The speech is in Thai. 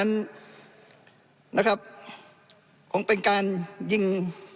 นะครับคงเป็นการยิง